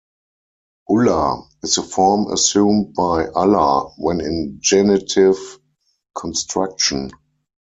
Ullah is the form assumed by "Allah" when in a genitive construction.